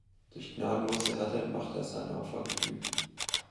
Durch gnadenlose Härte macht er seine Opfer gefügig.